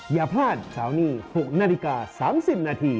อย่าพลาดเสาร์นี้๖นาฬิกา๓๐นาที